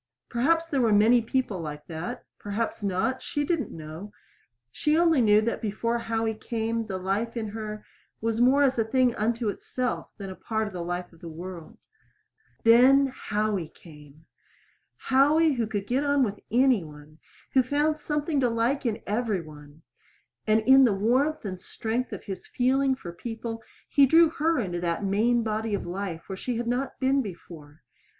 Perhaps there were many people like that perhaps not; she did not know. She only knew that before Howie came the life in her was more as a thing unto itself than a part of the life of the world. Then Howie came! Howie, who could get on with any one, who found something to like in every one; and in the warmth and strength of his feeling for people he drew her into that main body of life where she had not been before.